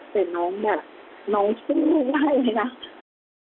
เห็นน้องแบบน้องชั่วโล่งได้เลยค่ะ